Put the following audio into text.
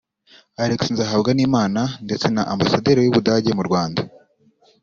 Alex Nzahabwanimana ndetse na Ambasaderi w’u Budage mu Rwanda